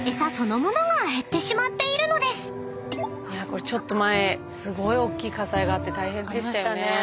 これちょっと前すごいおっきい火災があって大変でしたよね。